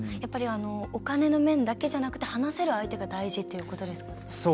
お金の面だけじゃなくて話せる相手が大事っていうことですか。